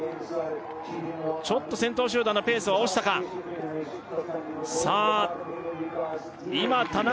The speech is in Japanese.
ちょっと先頭集団のペースは落ちたかさあ今田中